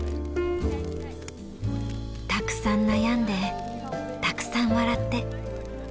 たくさん悩んでたくさん笑って。